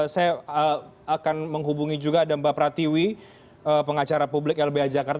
saya akan menghubungi juga ada mbak pratiwi pengacara publik lbh jakarta